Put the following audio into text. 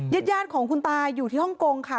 ญาติยาดของคุณตาอยู่ที่ฮ่องกงค่ะ